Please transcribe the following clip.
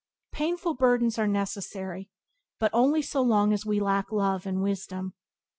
Painful burdens are necessary, but only so long as we lack love and wisdom.